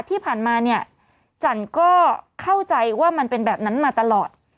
ที่ผ่านมาเนี่ยจันก็เข้าใจว่ามันเป็นแบบนั้นมาตลอด